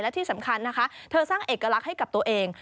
และที่สำคัญนะคะเธอสร้างเอกลักษณ์ให้กับตัวเอง